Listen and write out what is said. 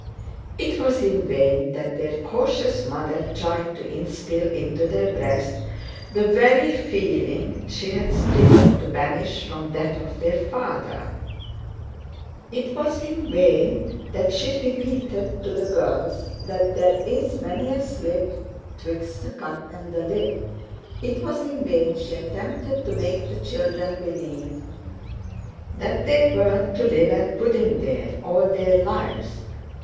'Twas in vain that their cautious mother tried to instil into their breasts the very feeling she had striven to banish from that of their father; 'twas in vain that she repeated to the girls that 'there's many a slip 'twixt the cup and the lip'; 'twas in vain she attempted to make the children believe that they were to live at Puddingdale all their lives.